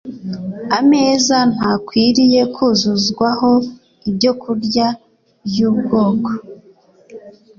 Ameza ntakwiriye kuzuzwaho ibyokurya by’ubwoko